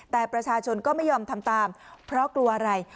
แต่ประชาชนก็ไม่ยอมทำตามเพราะกลัวอะไร